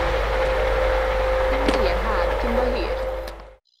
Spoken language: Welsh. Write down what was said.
Bydd hi'n wyliau haf cyn bo hir.